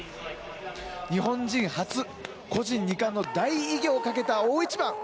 日本人初個人２冠の大偉業をかけた大一番。